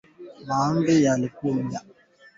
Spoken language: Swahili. Mhandisi anaongoza utafiti kwenye chuo kikuu